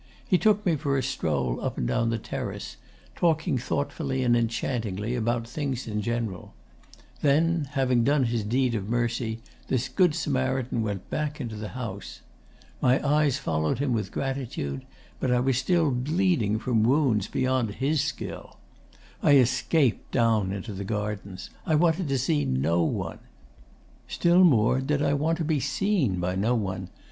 He took me for a stroll up and down the terrace, talking thoughtfully and enchantingly about things in general. Then, having done his deed of mercy, this Good Samaritan went back into the house. My eyes followed him with gratitude; but I was still bleeding from wounds beyond his skill. I escaped down into the gardens. I wanted to see no one. Still more did I want to be seen by no one.